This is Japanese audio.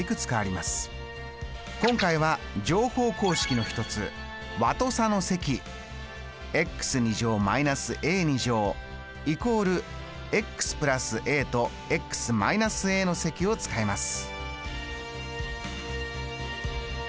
今回は乗法公式の一つ和と差の積積を使います。